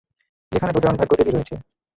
যেখানে দুজন ভাগ্যদেবী রয়েছে।